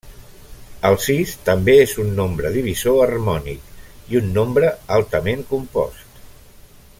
El sis també és un nombre divisor harmònic i un nombre altament compost.